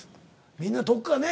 みんなどっかね。